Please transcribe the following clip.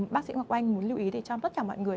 bác sĩ hoàng anh muốn lưu ý để cho tất cả mọi người